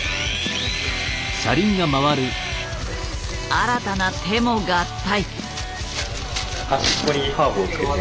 新たな手も合体。